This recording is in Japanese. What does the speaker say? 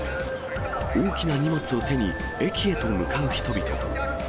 大きな荷物を手に、駅へと向かう人々。